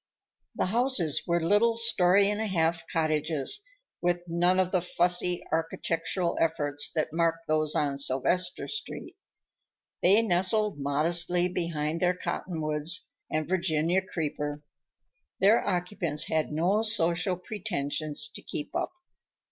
The houses were little story and a half cottages, with none of the fussy architectural efforts that marked those on Sylvester Street. They nestled modestly behind their cottonwoods and Virginia creeper; their occupants had no social pretensions to keep up.